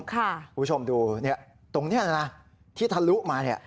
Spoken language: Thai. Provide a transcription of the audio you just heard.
คุณผู้ชมดูที่ทะลุมาเนี่ย